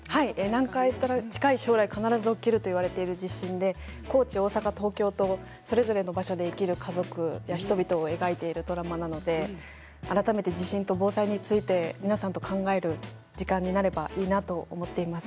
近い将来必ず起きると言われている地震で高知、大阪、東京とそれぞれの場所で生きる家族人々を描いているドラマなので改めて地震と防災について皆さんと考える時間になればいいなと思っています。